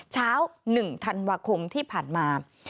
เช้า๑ธันวาคมที่ผ่านมา